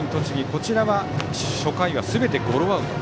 こちらは初回はすべてゴロアウト。